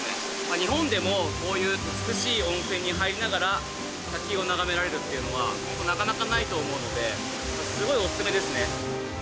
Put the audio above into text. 日本でもこういう美しい温泉に入りながら滝を眺められるっていうのはホントなかなかないと思うのですごいオススメですね